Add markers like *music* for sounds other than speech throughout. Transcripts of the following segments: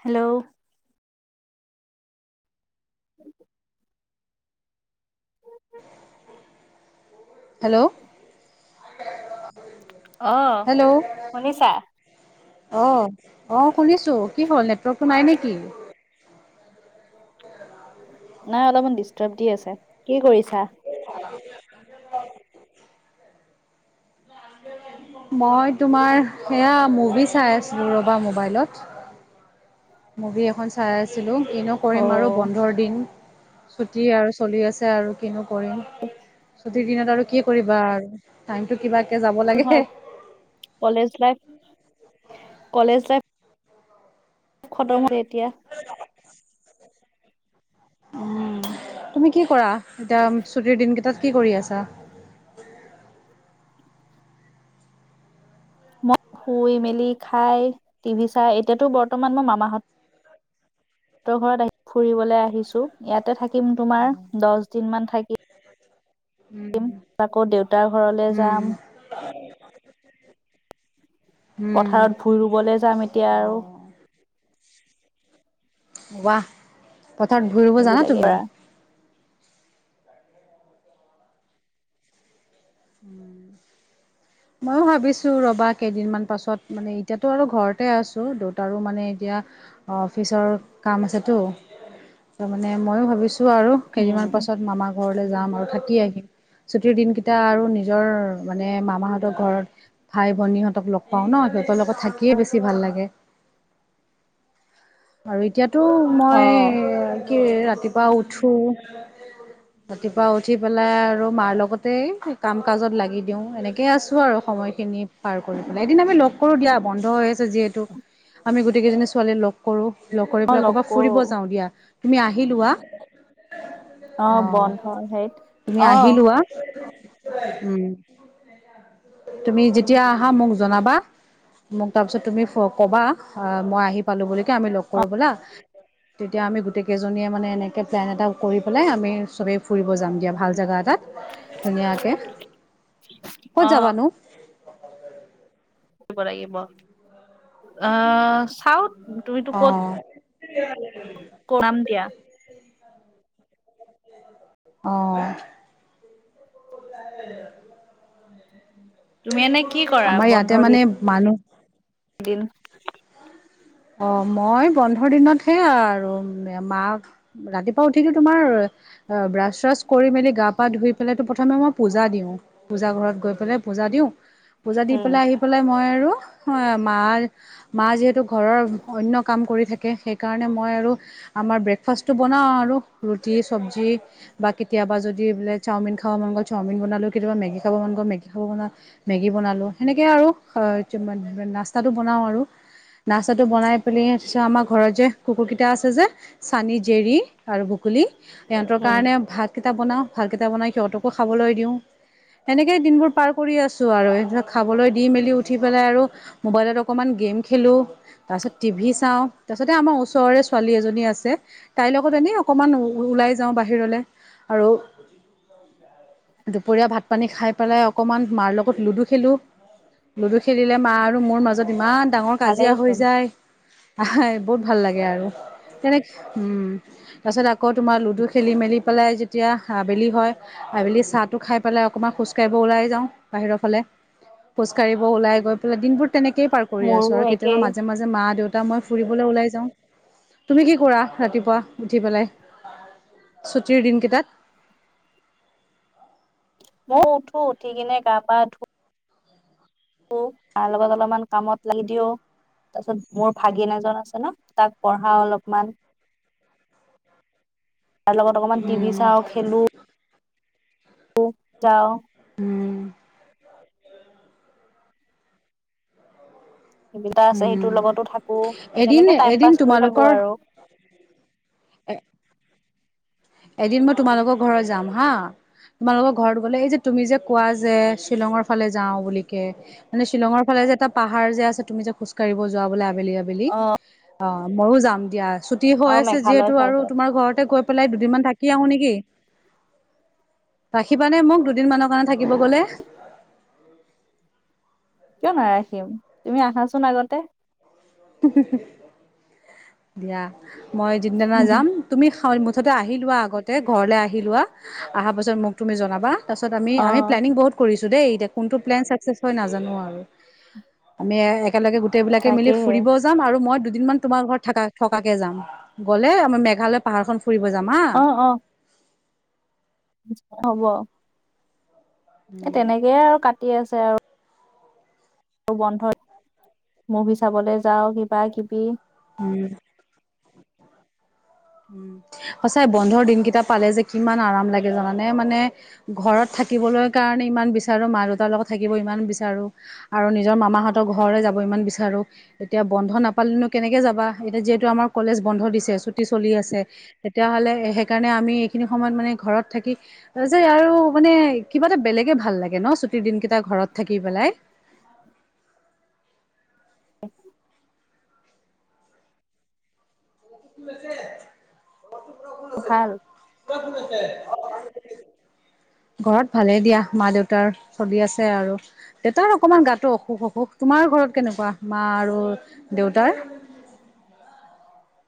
Hello *inaudible* hello অ', hello শুনিছা। অ', অ', শুুনিছো কি হ'ল নেটৱৰ্কটো নাই নেকি। নাই অলপমান ডিষ্টাৰ্ব দি আছে কি কৰিছা। মই তোমাৰ সেয়া মুভি চাই আছিলো ৰবা মোবাইলত। মুভি এখন চাই আছিলোঁ। কিনো কৰিম আৰু অ' বন্ধৰ দিন। ছুটি আৰু চলি আছে আৰু কিনো কৰিম। প্ৰতি দিনত আৰু কি কৰিবা আৰু টাইমটো কিবা *unintelligible* কলেজ লাইফ, কলেজ লাইফ। খতম হয় এতিয়া। উ, তুমি কি কৰা এতিয়া ছুটিৰ দিন কেইটাত কি কৰি আছা? *inaudible* মই শুই, মেলি, খাই, টিভি চাই এতিয়াতো বৰ্তমান মই মামাহত সহঁতৰ ঘৰত আহি ফুৰিবলৈ আহিছো ইয়াতে থাকি। থাকিম তোমাৰ দচ দিন মান উম, থাকিম। আকৌ দেউতাৰ ঘৰলৈ উম, যাম। উম, পথাৰত ভুই ৰুবলৈ যাম এতিয়া আৰু। অ'। ৱাহ পথাৰত ভুই ৰুব জানা এইবিলাকে তুমি। কৰা। উম। ময়ো ভাবিছো ৰবা, কেইদিনমান পাছত মানে এতিয়াতো আৰু ঘৰতে আছো দউতাৰো মানে। এতিয়া অফিচৰ কাম আছেতো তাৰমানে ময়ো ভাবিছোঁ। তো আৰু উম কেইদিনমান পাছত মামা ঘৰলৈ যাম আৰু থাকি আহিম ছুটিৰ দিনকিটা আৰু। নিজৰ মানে মামাহঁতৰ ঘৰত। ভাই, ভনী হঁতক লগ পাওঁ ন সিহঁতৰ লগত থাকিয়ে বেছি ভাল লাগে। *inaudible* আৰু এতিয়াতো অ মই কি ৰাতিপুৱা উঠোঁ। ৰাতিপুৱা উঠি পেলাই আৰু মাৰ লগতে কাম কাজত লাগি দিও এনেকেই আছো আৰু। সময়খিনি পাৰ কৰি পেলাই এদিন আমি লগ কৰো দিয়া বন্ধ হৈ আছে যিহেতু। আমি গোটেইকেইজনী ছোৱালীয়ে লগ। কৰো লগ কৰি অ পেলাই কৰবাত কৰো ফুৰিব যাওঁ দিয়া তুমি আহিলোৱা অ বন্ধৰ হেৰিত তুমি অ আহিলোৱা। উম তুমি যেতিয়া আহা মোক জনাবা। মোক তাৰপিছত তুমি কবা মই আহি পালোঁ বুলি কে আমি লগ কৰো বোলা তেতিয়া আমি গোটেই কেইজনীয়ে মানে এনেকে প্লেন এটা কৰি পেলাই আমি চবেই ফুৰিব যাম দিয়া ভাল জাগা এটাত। ধুনীয়াকে, ক'ত অ যাবানো? লব লাগিব অ চাও তুমিতো ক'ত অ', কৰাম দিয়া। অ' *unintelligible* তুমি এনে কি কৰা *unintelligible* আমাৰ ইয়াতে মানে মানুহ তিন *unintelligible* অ' মই বন্ধৰ দিনতহে আৰু মা ৰাতিপুৱা উঠিকে তোমাৰ অ' ব্ৰাছ ছ্ৰাছ কৰি মেলি গা পা ধুই পেলাইটো প্ৰথমে মই পূজা দিওঁ পূজা ঘৰত গৈ পেলাই পূজা দিওঁ পূজা দি উম পেলাই আহি পেলায় মই আৰু মা মা যিহেতু ঘৰৰ অন্য কাম কৰি থাকে সেইকাৰণে মই আৰু আমাৰ ব্ৰেকফাষ্টটো বনাওঁ আৰু ৰুটি চব্জি বা কেতিয়াবা যদি বোলে চাওমিন খাব মন গ'ল চাওমিন বনালোঁ কেতিাবা মেগী খাব মন গ'ল মেগ খাব মন গ'ল মেগী বনালোঁ সেনেকে আৰু নাস্তাটো বনাওঁ আৰু। নাস্তাটো বনাই পেলি তাৰপিত আমাৰ ঘৰত যে কুকুৰকেইটা আছে যে চানী, জেৰী আৰু বুকলী সিহঁতৰ উম কাৰণে ভাতকেইটা বনাওঁ ভালকেইটা বনাই সিহঁতকো খাবলৈ দিওঁ। সেনেকেই দিনবোৰ পাৰ কৰি আছোঁ আৰু ইহঁতক খাবলৈ দি মেলি উঠি পেলাই আৰু মোবাইলত অকমান গেম খেলোঁ। তাৰপিছত টিভি চাওঁ তাৰ পিছতে আমাৰ ওচৰৰে ছোৱালী এজনী আছে তাইৰ লগত এনে অকমান ওল ওলাই যাওঁ বাহিৰলৈ আৰু দুপৰীয়া ভাত পানী খাই পেলাই অকণমান মাৰ লগত লুডু খেলোঁ। লুডু খেলিলে মা আৰু মোৰ মাজত ইমান ডাঙৰ কাজিয়া হৈ যা ভালেইচোন হয় আহ বহুত ভাল লাগে আৰু তেনে উম তাৰপিছত আক আকৌ তোমাৰ লুডু খেলি মেলি পেলাই যেতিয়া আবেলি হয় আবেলি চাহটো খাই পেলাই অকমান খোজ কাঢ়িব ওলাই যাওঁ বাহিৰৰ ফালে। খোজকাঢ়িব ওলাই গৈ পেলাই দিনবোৰ তেনেকেই পাৰ কৰি আছোঁ মোৰো আৰু কেতিয়াবা একেই মাজ মাজে মা দেউতা মই ফুৰিবলৈ ওলাই যাওঁ। তুমি কি কৰা ৰাতিপুৱা উঠি পেলাই? ছুটিৰ দিনকেইটাত ময়ো উঠো, উঠি কেনে গা পা ধু ধু, মাৰ লগত অলপমান কামত লাগি দিওঁ। তাৰপিছত মোৰ ভাগিন এজন আছে ন! তাক পঢ়াও অলপমান। তাৰ লগত অকণমান টি ভি চাওঁ, খেলোঁ। যাওঁ *unintelligible* আছে উম, সেইটোৰ লগতো থাকোঁ, এদিন তেনেকে টাইম এদিন পাছ কৰি থাকোঁ তোমালোকৰ আৰু। এদিন মই তোমালোকৰ ঘৰত যাম, হা। তোমালোকৰ ঘৰত গ'লে এই যে, তুমি যে, কোৱা যে, শ্বিলঙৰ ফালে যাওঁ বুলিকে মানে শ্বিলঙৰ ফালে এই যে, এটা পাহাৰ যে, আছে তুমি যে, খোজকাঢ়িব যোৱা বোলে আ আবেলি, আবেলি অ অ', মইও যাম দিয়া, ছুটি হৈ অ আছে মেঘালয় যিহেতু আৰু চাইডত। তোমাৰ ঘৰতে গৈ পেলাই দুদিনমান থাকি আহো নেকি? ৰাখিবানে মোক দুদিন মানৰ কাৰণে থাকিব গ'লে? কিয় নাৰাখিম? তুমি আহাছোন আগতে। দিয়া মই যিদিনা যাম, তুমি *unintelligible* মুঠতে আহি লোৱা আগতে ঘৰলে আহি লোৱা, আহাৰ পাছত মোক তুমি জনাবা। তাৰপিছত আমি, অ আমি প্লেনিং বহুত কৰি দেই এতিয়া কোনটো প্লেন চাকচেছ হয়, নাজানো আৰু আমি একেলগে গোটেইবিলাকে মিলি তাকেহে ফুৰিবও যাম, আৰু মই দুদিনমান তোমাৰ ঘৰত থাকা-থকাকে যাম গ'লে আমাৰ মেঘালয় পাহাৰখন ফুৰিব যাম হা। অ অ হ'ব। এ, তেনেকে আৰু কাটি আছে আৰু। বন্ধত মুভি চাবলৈ যাওঁ, কিবা কিবি। উম। উম, সঁচাই বন্ধৰ দিনকেইটা পালে যে, কিমান আৰাম লাগে জানানে মানে ঘৰত থা থাকিবলৈ কাৰণে ইমান বিচাৰো মা দেউতাৰ লগত থাকিব ইমান বিচাৰো আৰু নিজৰ মামাহঁতৰ ঘৰলৈ যাব বিচাৰো এতিয়া বন্ধ নাপালে কেনেকে যাবা এতিয়া যিহেতু আমাৰ কলেজ বন্ধ দিছে ছুটী। চলি আছে তেতিয়াাহ'লে সেইকাৰণে আমি এইখিনি সময়ত মানে ঘৰত থাকি যে আৰু মানে। কিবা এটা বেলেগে ভাল লাগে ন ছুটিৰ দিন কেইটা ঘৰত থাকি পেলাই। *inaudible* ভাল *inaudible* *inaudible* ঘৰত ভালে দিয়া মা দেউতাৰ চলি আছে আৰু দেউতাৰ অকমান গাটো অসুখ-অসুখ তোমাৰ? ঘৰত কেনেকুৱা মা আৰু দেউতাৰ? *inaudible*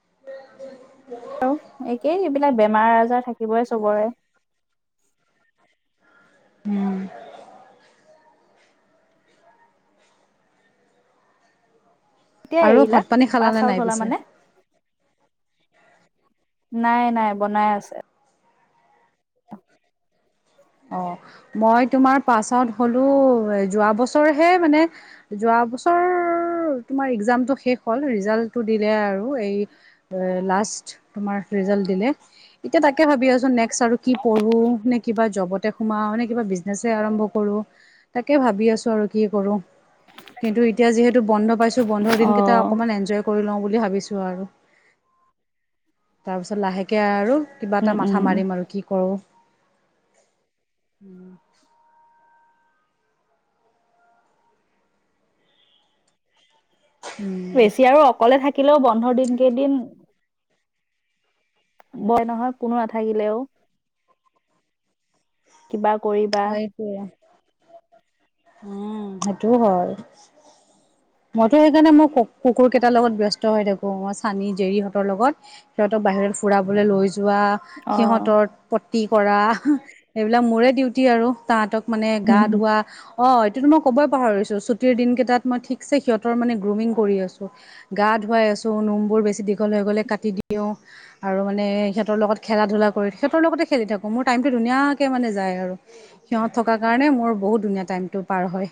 উম, *unintelligible* আৰু একেই এইবিলাক বেমাৰ আজাৰ থাকিবই চবৰে। উম, কেতিয়া আৰু এৰিলা ভাত পানী পাছ খালানে নাই আউট হলা পিছে মানে। নাই-নাই বনাই আছে। অ' মই তোমাৰ পাছ আউট‌ হলো যোৱা বছৰ হে মানে যোৱা যোৱা বছৰ। তোমাৰ একজামটো শেষ হ'ল ৰিজাল্টটো দিলে আৰু এই লাষ্ট তোমাৰ। ৰিজাল্ট দিলে এতিয়া তাকে ভাবি আছো নেক্সট আৰু কি পঢ়ো নে কিবা জবতে সোমাও মানে কিবা বিজনেছে আৰম্ভ কৰো তাকে ভাবি আছো আৰু কি কৰো। কিন্তু এতিয়া যিহেতু বন্ধ পাইছো বন্ধৰ দিন কেইটা অ' অকনমান এনজয় কৰি লওঁ। বুলি ভাবিছো আৰু তাৰপিছত লাহেকে আৰু। কিবা এটা উম উম মাথা মাৰিম আৰু কি কৰোঁ। উম, বেছি আৰু অকলে থাকিলেও বন্ধৰ দিন কেইদিন, বৰ নহয় কোনো নাথাকিলেও। কিবা কৰিবা সেইটোৱে উম, সেইটোও হয়। মইতো সেইকাৰণে মই কুকুৰ কেইটাৰ লগত ব্যস্ত হৈ থাকো মই চানী জেৰিহঁতৰ লগত। সিহঁতক বাহিৰত ফুৰাব লৈ যোৱা অ সিহঁতৰ পটি কৰা এইবিলাক মোৰে ডিউটি আৰু তাহঁতক মানে গা হুম হুম ধোৱা। অ' এইটোতো মই ক'বই পাহৰিছো ছুটিৰ দিনকেইটাত মই ঠিকছে সিহঁত মানে গ্ৰুমিং কৰি আছো, গাত গা ধুৱাই আছোঁ নোমবোৰ বেছি দীঘল হৈ গ'লে কাটি দিওঁ আৰু মানে সিঁতৰ লগত খেলা ধুলা কৰি সিহঁতৰ লগতে খেলি থাকোঁ মোৰ টাইমটো ধুনীয়াকৈ মানে যায় আৰু। সিহঁত থকাৰ কাৰণে মোৰ বহুত ধুনীয়া টাইমতটো পাৰ হয়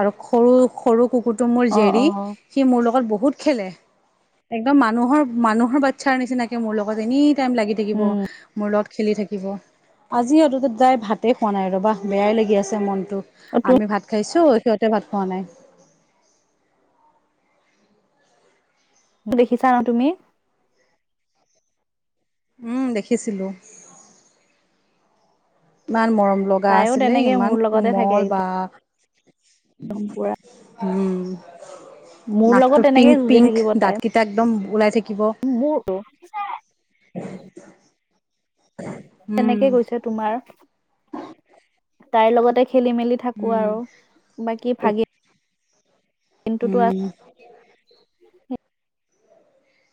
আৰু সৰু-সৰু, কুকুৰ টো মোৰ অ অ জেৰি সি মোৰ লগত বহুত বহুত খেলে একদম মানুহৰ-মানুহৰ বাচ্ছাৰ নিচিনাকে মোৰ লগত এনি টাইম লাগি থাকিব উম মোৰ লগত খেলি থাকিব। আজি সিহঁতৰ তাত যাই ভাত ভাতেই খোৱা নাই ৰ'বা বেয়াই লাগি আছে মনটো আমি ভাত খাইছোঁ। সিহঁতে ভাত খোৱা নাই। দেখিছা ন তুমি, উম, দেখিছিলো। ইমান মৰম লগা তাইও আছিলে তেনেকে মোৰ ইমান লগতে থাকে কোমল বা। একদম পুৰা উম, মোৰ নাকটো লগত তেনেকে যুঁজি পিংক-পিংক থাকিব তাই দাতকেইটা একদম ওলাই। থাকিব *unintelligible* উম তেনেকে গৈছে তোমাৰ, তাইৰ লগতে খেলি-মেলি থাকো উম আৰু বাকী ভাগিন। উম,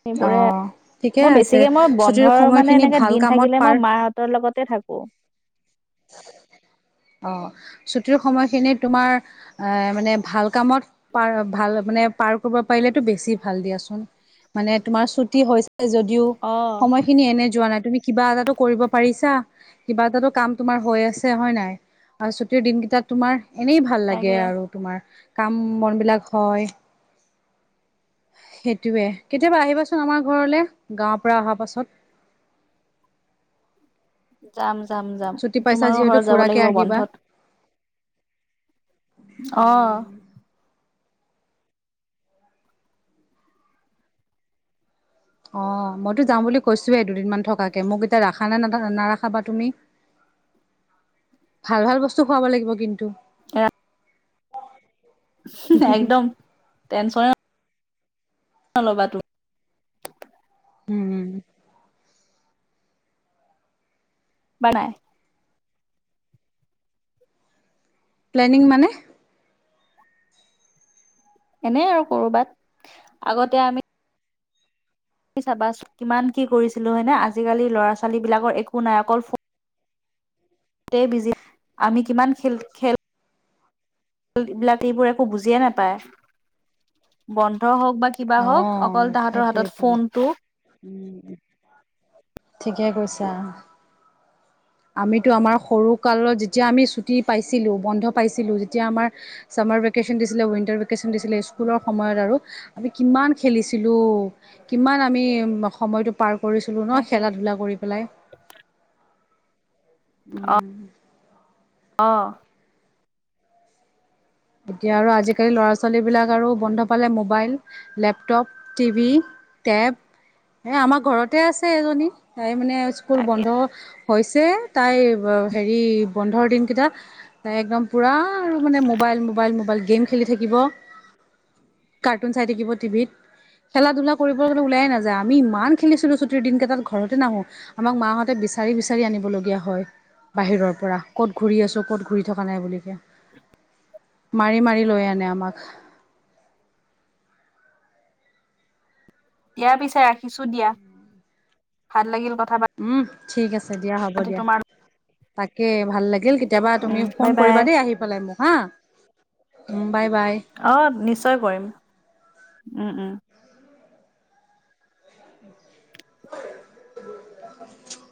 উ *inaudible* সেইবোৰে, অ', ঠিকে মই আছে বেছিকে মই, ছুটিৰ বন্ধৰ মানে, সময়খিনি এনেকে ভাল দিন কামত থাকিলে, পাৰ মই মাহঁতৰ লগতে থাকোঁ। *unintelligible* অ'! ছুটিৰ সময়খিনিত তোমাৰ, আঁ মানে, ভাল কামত পাৰ, ভাল তাৰমানে, পাৰ কৰিব পাৰিলেতো বেছি ভাল দিয়াচোন! মানে, তোমাৰ ছুটি হৈছে যদিও, অ সময়খিনি এনে যোৱা নাই, তুমি কিবা এটাটো কৰিব পাৰিছা! কিবা এটাটো কাম তোমাৰ হৈ আছে, হয় নাই? আৰু ছুটিৰ দিনকেইটাত তোমাৰ, এনেই ভাল লাগে তাকে আৰু তোমাৰ! কাম-বন বিলাক হয়। সেইটোৱে, কেতিয়াবা আহিবাচোন আমাৰ ঘৰলে, গাঁৱৰ পৰা অহা পাছত? যাম যাম যাম ছুটি পাইছা তোমাৰো যিহেতু ঘৰত যাব ফুৰাকে লাগিব আহিবা। বন্ধত। অহ। অ মইতো যাওঁ বুলি কৈছোয়ে দুদিনমান থকাকে, মোক এতিয়া ৰাখা নে নাৰাখা বা তুমি? *inaudible* ভাল ভাল বস্তু খুৱাব লাগিব কিন্তু। এ একদম টেনচনে নলবা তু উম। *unintelligible* প্লেনিং মানে? এনেই আৰু কৰবাত, আগতে আমি তুমি চাবাচোন কিমান কি কৰিছিলোঁ হয়নে? আজিকালি ল'ৰা ছোৱালীবিলাকৰ একো নাই অকল ফো *unintelligible* তেই বিজী আমি কিমান খেল খেল বিলাক এইবোৰ একো বুজিয়ে নাপায়, বন্ধ হওক বা কিবা অ হওক অকল তাহতৰ হাতত সেইটোয়েতো ফোনটো ঠিকে কৈছা। আমিতো আমাৰ সৰু কালত যেতিয়া আমি ছুটি পাইছিলো বন্ধ পাইছিলো যেতিয়া আমাৰ চামাৰ ভেকেচন দিছিলে উইন্টাৰ ভেকেচন দিছিলে স্কুলৰ সময়ত আৰু আমি কিমান খেলিছিলো। কিমান আমি সময়টো পাৰ কৰিছিলো ন তাকে খেলা ধূলা কৰি পেলাই। উম। অঁ। এতিয়া আৰু আজিকালি ল'ৰা ছোৱালী বিলাক আৰু বন্ধ পালে মোবাইল, লেপটপ, টিভি টৈপ এ আমাৰ ঘৰতে আছে এজনী তাই মানে স্কুল তাকে বন্ধ হৈছে তাইৰ হেৰি বন্ধৰ দিনকেইটা তাই একদম পুৰা আৰু মানে মোবাইল মোবাইল মোবাইল গেম খেলি থাকিব কাৰ্টুন চাই থাকিব টিভিত খেলা ধূলা কৰিবৰ কাৰণে ওলাই নাযায় আমি ইমান খেলিছিলো চুটিৰ দিন কেইটাত ঘৰতে নাহো আমাক মাহঁতে বিচাৰি বিচাৰি আনিবলগীয়া হয় বাহিৰৰ পৰা ক'ত ঘূৰি আছোঁ ক'ত ঘূৰি থকা নাই বুলি কে *inaudible* মাৰি মাৰি লৈ আনে আমাক দিয়া পিছে ৰাখিছো দিয়া ভাল লাগিল কথ উম ঠিক আছে দিয়া হ'ব দিয়া তোমাৰ তাকে ভাল লাগিল কেতিয়াবা তুমি উম ফোন বাই বাই কৰিবা দেই আহি পেলাই মোক হা উম অহ নিশ্চয় কৰিম উম উম *unintelligible*